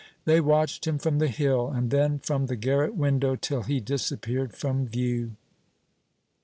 They watched him from the hill, and then from the garret window, till he disappeared from view.